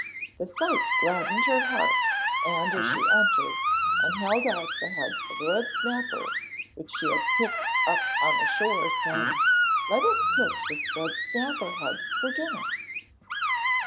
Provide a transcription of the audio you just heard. The sight gladdened her heart, and she entered and held out the head of a red snapper which she had picked up on the shore, saying, 'Let us cook this red snapper head for dinner.'